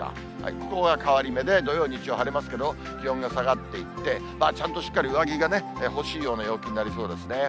ここが変わり目で、土曜、日曜晴れますけど、気温が下がっていって、ちゃんとしっかり上着が欲しいような陽気になりそうですね。